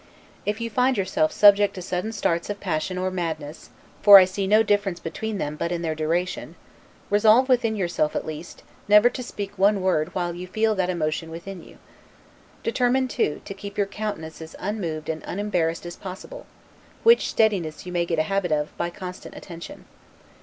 If you find yourself subject to sudden starts of passion or madness (for I see no difference between them but in their duration), resolve within yourself, at least, never to speak one word while you feel that emotion within you. Determine, too, to keep your countenance as unmoved and unembarrassed as possible; which steadiness you may get a habit of, by constant attention.